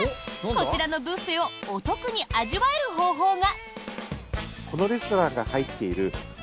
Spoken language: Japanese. こちらのブッフェをお得に味わえる方法が！